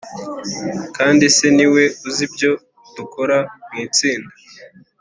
kandi se niwe uzi ibyo dukora mwitsinda